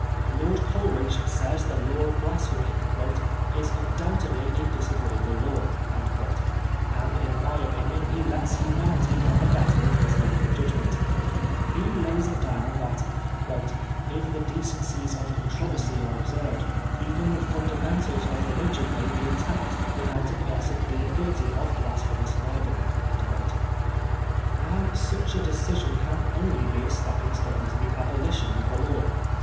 Lord Coleridge says the law of blasphemy " is un doubtedly a disagreeable law," and in my opinion he lets humanity get the better Of his legal judgment. He lays it down that " if the decencies of controversy are observed, even the fundamentals of religion may be attacked without a person being guilty of blasphemous libel." Now such a decision can only be a stepping stone to the abolition of the law.